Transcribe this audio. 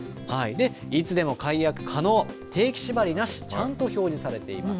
いつでも解約可能、定期縛りなしちゃんと表示されています。